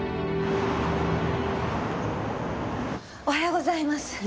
おはようございます。